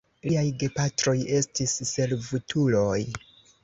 Liaj gepatroj estis servutuloj.